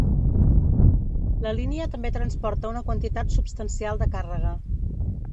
La línia també transporta una quantitat substancial de càrrega.